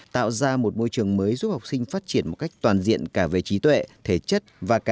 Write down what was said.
tạo ra một môi trường mới giúp học sinh phát triển một cách toàn diện cả về trí tuệ thể chất và cả